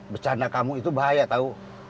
becanda kamu itu bahaya tau